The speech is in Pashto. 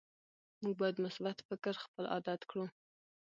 موږ باید مثبت فکر خپل عادت کړو